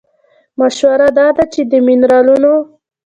مشوره دا ده چې د مېنرالونو